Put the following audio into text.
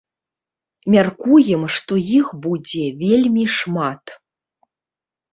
Мяркуем, што іх будзе вельмі шмат.